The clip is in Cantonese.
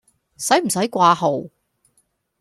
洗唔洗掛號？